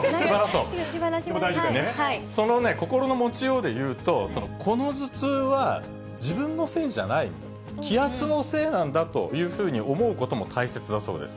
その心の持ちようでいうと、この頭痛は自分のせいじゃない、気圧のせいなんだというふうに思うことも大切だそうです。